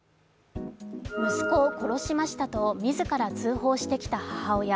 息子を殺しましたと自ら通報してきた母親。